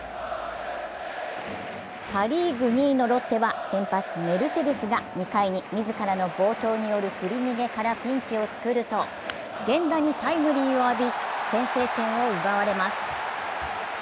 パ・リーグ２位のロッテは先発・メルセデスが２回に自らの暴投による振り逃げからピンチを作ると源田にタイムリーを浴び、先制点を奪われます。